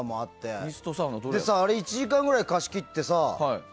あれ、１時間くらい貸し切ってさ